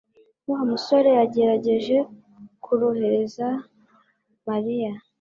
Wa musore yagerageje korohereza Mariya.